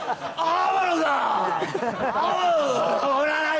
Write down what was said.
ああ！